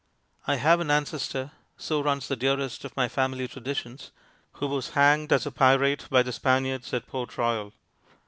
I have an ancestor, so runs the dearest of my family traditions, who was hanged as a pirate by the Spaniards at Port Royal.